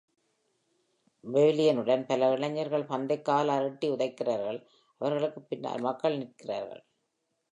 பெவிலியனுடன் பல இளைஞர்கள் பந்தைக் காலால் எட்டி உதைக்கிறார்கள், அவர்களுக்கு பின்னால் மக்கள் நிற்கின்றனர்.